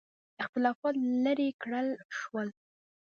اختلافات لیرې کړل شول.